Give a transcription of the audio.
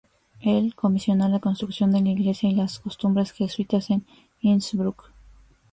Él comisionó la construcción de la iglesia y las costumbres jesuitas en Innsbruck.